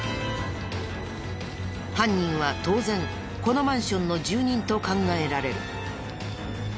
犯人は当然このマンションの住人と考えられる。